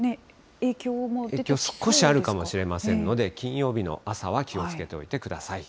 影響少しあるかもしれませんので、金曜日の朝は気をつけておいてください。